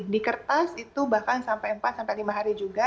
di kertas itu bahkan sampai empat sampai lima hari juga